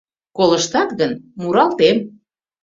— Колыштат гын, муралтем.